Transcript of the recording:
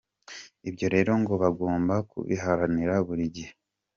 Ibyo rero ngo bagomba kubiharanira buri gihe.